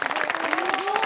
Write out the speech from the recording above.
すごい。